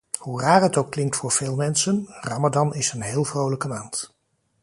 Hoe raar het ook klinkt voor veel mensen, ramadan is een heel vrolijke maand.